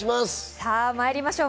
さぁまいりましょう。